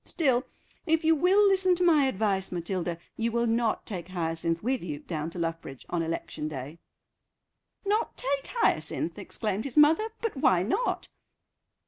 Still, if you will listen to my advice, Matilda, you will not take Hyacinth with you down to Luffbridge on election day." "Not take Hyacinth!" exclaimed his mother; "but why not?